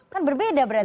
kan berbeda berarti